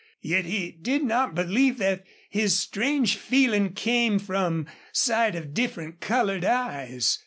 Yet he did not believe that his strange feeling came from sight of different colored eyes.